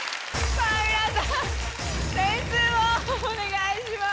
皆さん点数をお願いします。